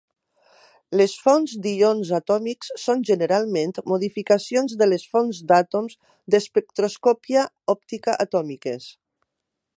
Les fonts d'ions atòmics són generalment modificacions de les fonts d'àtoms d'espectroscòpia òptica atòmiques.